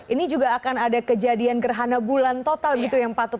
ini juga akan ada kejadian gerhana bulan total gitu yang patut